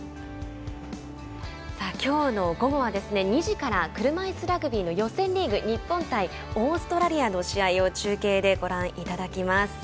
きょうの午後は２時から車いすラグビーの予選リーグ日本対オーストラリアの試合をご覧いただきます。